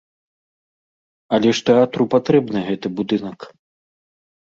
Але ж тэатру патрэбны гэты будынак.